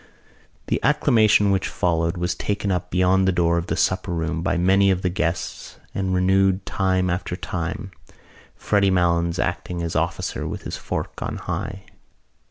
The acclamation which followed was taken up beyond the door of the supper room by many of the other guests and renewed time after time, Freddy Malins acting as officer with his fork on high.